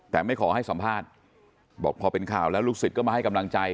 แต่ไม่ขอให้สัมภาษณ์บอกพอเป็นข่าวแล้วลูกศิษย์ก็มาให้กำลังใจ